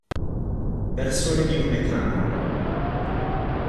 Persone di nome Cameron